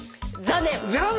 残念？